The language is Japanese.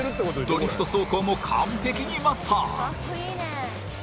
ドリフト走行も完璧にマスター。